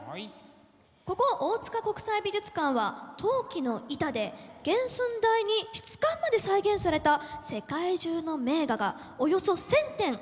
ここ大塚国際美術館は陶器の板で原寸大に質感まで再現された世界中の名画がおよそ１，０００点集まっています。